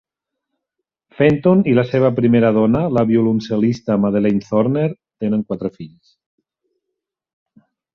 Fenton i la seva primera dona, la violoncel·lista Madeline Thorner, tenen quatre fills.